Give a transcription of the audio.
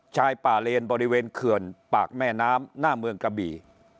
ชายป่าเลนบริเวณเขื่อนปากแม่น้ำหน้าเมืองกะบี่